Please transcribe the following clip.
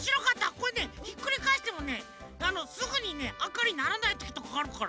これねひっくりかえしてもねすぐにねあかにならないときとかあるから。